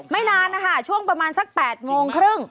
นานนะคะช่วงประมาณสัก๘โมงครึ่ง